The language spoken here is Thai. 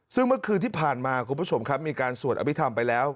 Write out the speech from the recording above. ซึ่งเมื่อคืนที่ผ่านมาคุณผู้ชมครับมีการสวดอภิษฐรรมไปแล้ว